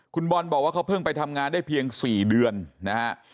คุณบอลบอกว่าเขาเพิ่งไปทำงานได้เพียง๔เดือนนะฮะ